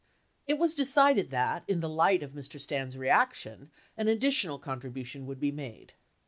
It was decided that, in the light of Mr. Stans' reaction, an additional contribution would be made.